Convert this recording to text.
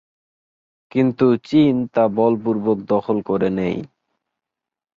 কিন্তু চীন তা বল পূর্বক দখল করে নেয়।